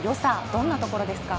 どんなとこですか？